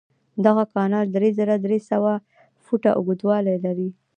دغه کانال درې زره درې سوه فوټه اوږدوالی لري.